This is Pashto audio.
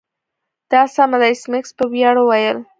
دا سمه ده ایس میکس په ویاړ وویل